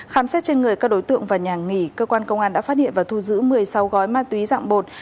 khám xét trên người các đối tượng và nhà nghỉ cơ quan công an đã phát hiện và thu giữ một mươi sáu gói ma túy dạng bột